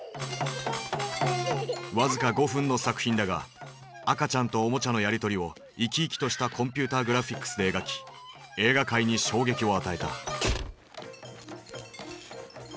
僅か５分の作品だが赤ちゃんとおもちゃのやり取りを生き生きとしたコンピューターグラフィックスで描き映画界に衝撃を与えた。